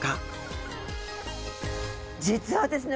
実はですね